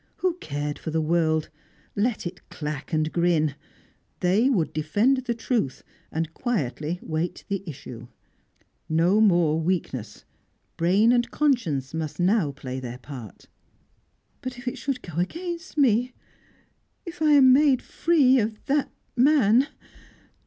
Who cared for the world? Let it clack and grin! They would defend the truth, and quietly wait the issue. No more weakness Brain and conscience must now play their part. "But if it should go against me? If I am made free of that man